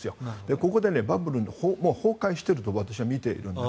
ここでバブルが崩壊していると私は見ているんです。